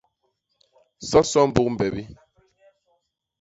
Soso mbuk mbebi.